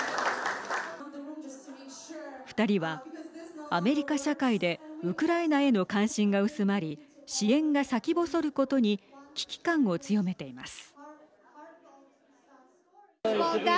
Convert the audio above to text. ２人はアメリカ社会でウクライナへの関心が薄まり支援が先細ることに危機感を強めています。